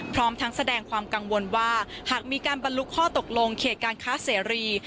พร้อมทั้งแสดงความกังวลว่าหากมีการบรรลุข้อตกลงเขตการค้าเสรี